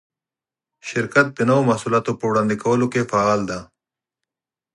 شرکت د نوو محصولاتو په وړاندې کولو کې فعال دی.